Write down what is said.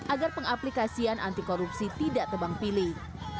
agar pengaplikasian antikorupsi tidak tebang pilih